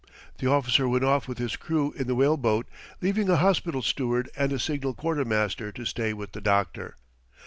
The officer went off with his crew in the whale boat, leaving a hospital steward and a signal quartermaster to stay with the doctor.